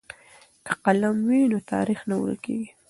که قلم وي نو تاریخ نه ورکېږي.